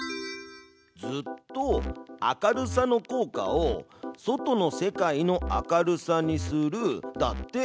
「ずっと」「明るさの効果を『外の世界の明るさ』にする」だって。